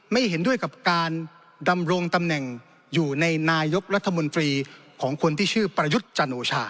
ไม่เห็นด้วยกับการดำรงตำแหน่งอยู่ในนายกรัฐมนตรีของคนที่ชื่อประยุทธ์จันโอชา